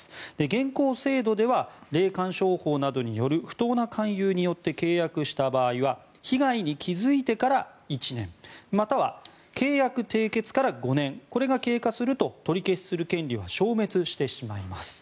現行制度では霊感商法などによる不当な勧誘によって契約した場合は被害に気付いてから１年または契約締結から５年これが経過すると取り消しする権利は消滅してしまいます。